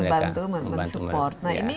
untuk membantu mereka